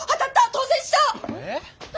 当選した！え？